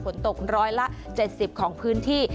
ฝนตกร้อยละ๗๐ของพื้นที่